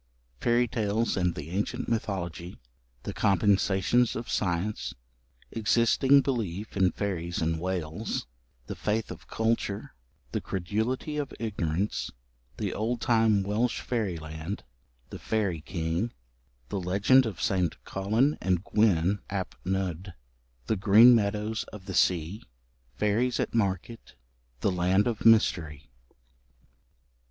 Fairy Tales and the Ancient Mythology The Compensations of Science Existing Belief in Fairies in Wales The Faith of Culture The Credulity of Ignorance The Old Time Welsh Fairyland The Fairy King The Legend of St. Collen and Gwyn ap Nudd The Green Meadows of the Sea Fairies at Market The Land of Mystery.